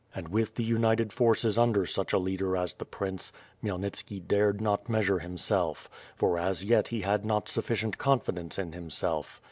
And with the united forces under such a leader as the prince Khmyelnitski dared not measure himself, for as yet he had not sufficient confidence in himself.